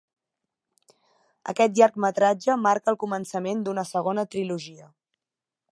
Aquest llargmetratge marca el començament d'una segona trilogia.